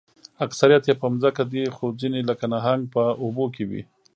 اکثریت یې په ځمکه دي خو ځینې لکه نهنګ په اوبو کې وي